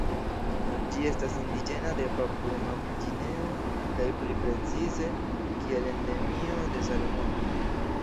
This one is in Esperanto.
Ĝi estas indiĝena de Papuo-Novgvineo kaj pli precize kiel endemio de Salomonoj.